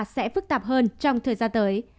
sẽ phức tạp hơn trong thời gian tới